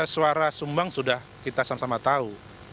suara sumbang sudah kita sama sama tahu